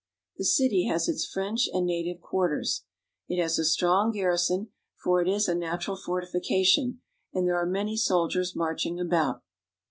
The city has its French and native quarters. It has a strong garrison, for it is a natural fortification, and there are many soldiers marching about.